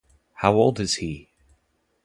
How old is he?